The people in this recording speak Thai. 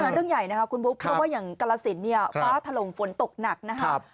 เรื่องใหญ่นะครับคุณบุ๊คเพราะว่าอย่างกรสินเนี่ยฟ้าถล่มฝนตกหนักนะครับ